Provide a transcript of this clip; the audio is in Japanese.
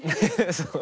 そう。